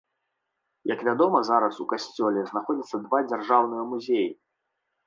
Як вядома, зараз у касцёле знаходзяцца два дзяржаўныя музеі.